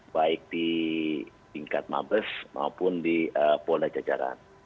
baik di tingkat mabes maupun di polda jajaran